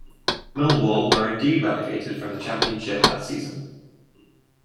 Millwall were indeed relegated from the Championship that season.